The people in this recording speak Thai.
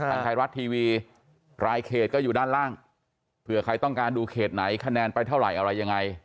ทางไทยรัฐทีวีรายเขตก็อยู่ด้านล่างเผื่อใครต้องการดูเขตไหนคะแนนไปเท่าไหร่อะไรยังไง